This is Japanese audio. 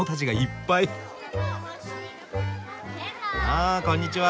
あこんにちは。